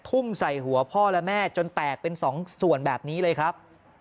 ทุ่มใส่หัวพ่อและแม่จนแตกเป็นสองส่วนแบบนี้เลยครับ